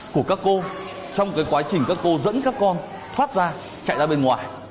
của các cô trong quá trình các cô dẫn các con thoát ra chạy ra bên ngoài